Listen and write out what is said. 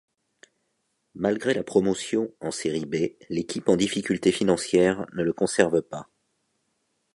Malgré la promotion en Serie B, l'équipe en difficultés financières ne le conserve pas.